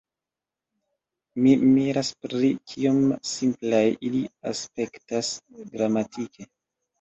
Mi miras pri kiom simplaj ili aspektas gramatike.